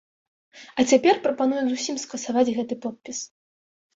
А цяпер прапануюць зусім скасаваць гэты подпіс.